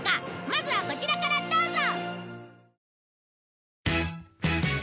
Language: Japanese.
まずはこちらからどうぞ！